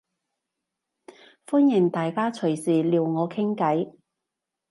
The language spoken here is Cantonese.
歡迎大家隨時撩我傾計